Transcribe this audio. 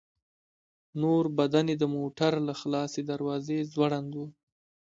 نور بدن يې د موټر له خلاصې دروازې ځوړند و.